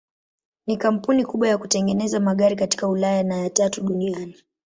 Ni kampuni kubwa ya kutengeneza magari katika Ulaya na ya tatu duniani.